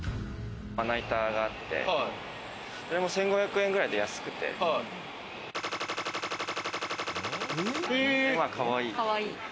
まな板があって、それも１５００円くらいで安くて、で、かわいい。